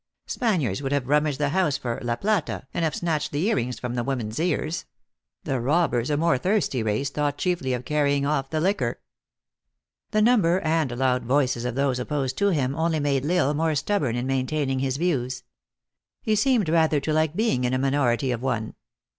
Spaniards would have rummaged the house for la plata, and have snatched the earrings from the women s ears ; the robbers, a more thirsty race, thought chiefly of carrying off the liquor." The number and loud voices of those opposed to him only made L Isle more stubborn in maintaining his views. He seemed rather to like being in a minority of one.